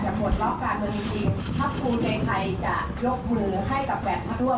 ครับคุณใดใครจะยกมือให้กับแบบผ้าท่วม